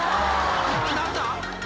［何だ？］